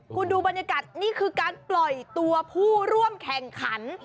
คุณดูบรรยากาศนี่คือการปล่อยตัวผู้ร่วมแข่งขัน